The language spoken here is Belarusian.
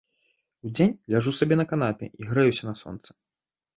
Удзень ляжу сабе на канапе і грэюся на сонцы.